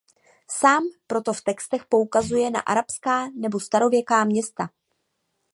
Sám proto v textech poukazuje na arabská nebo starověká města.